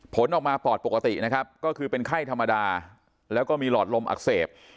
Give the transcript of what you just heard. ผลออกมาปอดปกตินะครับก็คือเป็นไข้ธรรมดาแล้วก็มีหลอดลมอักเสบ